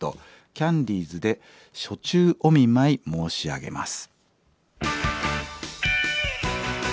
キャンディーズで「暑中お見舞い申し上げます」。